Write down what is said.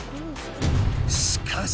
しかし。